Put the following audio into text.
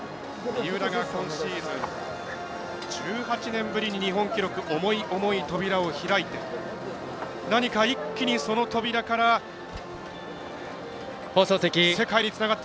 三浦が今シーズン１８年ぶりに日本記録、重い重い扉を開いて何か一気に、その扉から世界につながった。